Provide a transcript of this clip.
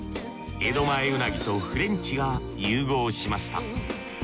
江戸前うなぎとフレンチが融合しました。